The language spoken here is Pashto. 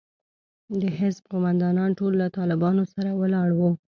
د حزب قومندانان ټول له طالبانو سره ولاړ وو.